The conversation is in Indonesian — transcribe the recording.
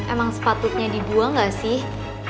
emang sepatutnya dibuang gak sih